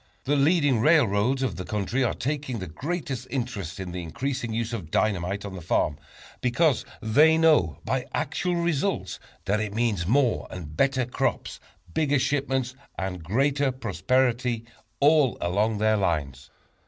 The leading railroads of the country are taking the greatest interest in the increasing use of dynamite on the farm, because they know by actual results that it means more and better crops, bigger shipments and greater prosperity all along their lines.